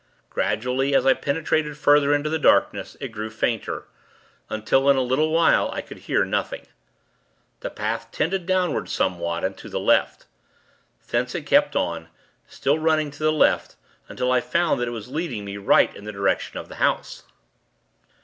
Gradually, as I penetrated further into the darkness, it grew fainter; until, in a little while, I could hear nothing. The path tended downward somewhat, and to the left. Thence it kept on, still running to the left, until I found that it was leading me right in the direction of the house.